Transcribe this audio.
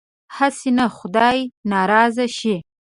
هسې نه خدای ناراضه شي.